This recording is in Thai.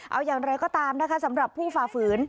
เอาอย่างไรก็ตามนะคะสำหรับผู้ฝ่าฝืน